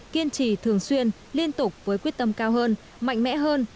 kiên trì thường xuyên liên tục với quyết tâm cao hơn mạnh mẽ hơn